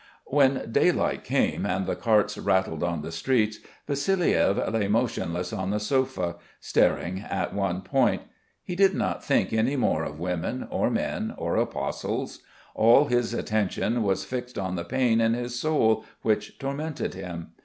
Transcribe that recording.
When daylight came and the carts rattled on the streets, Vassiliev lay motionless on the sofa, staring at one point. He did not think any more of women, or men, or apostles. All his attention was fixed on the pain of his soul which tormented him.